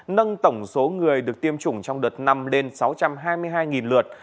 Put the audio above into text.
nâng tổng số người được tiêm chủng trong đợt năm lên sáu trăm hai mươi hai lượt